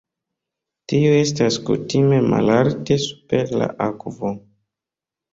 Tiuj estas kutime malalte super la akvo.